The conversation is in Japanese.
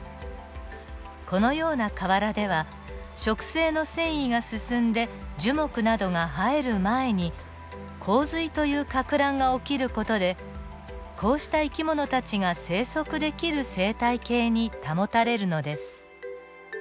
このような河原では植生の遷移が進んで樹木などが生える前に洪水というかく乱が起きる事でこうした生き物たちが生息できる生態系に保たれるのです。